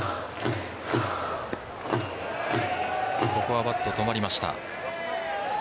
ここはバット止まりました。